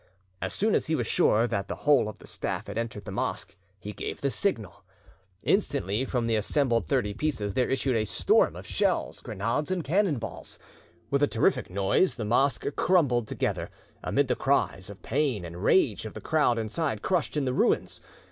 As soon as he was sure that the whole of the staff had entered the mosque, he gave the signal. Instantly, from the assembled thirty pieces, there issued a storm of shells, grenades and cannon balls. With a terrific noise, the mosque crumbled together, amid the cries of pain and rage of the crowd inside crushed in the ruins.